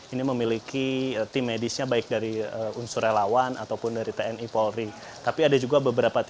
ini memiliki tim medisnya baik dari unsur relawan ataupun dari tni polri tapi ada juga beberapa